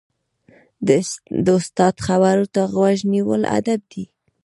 د استاد خبرو ته غوږ نیول ادب دی.